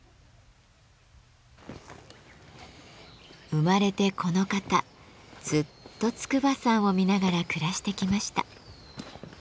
生まれてこの方ずっと筑波山を見ながら暮らしてきました。